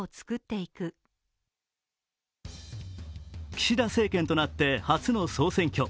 岸田政権となって初の総選挙。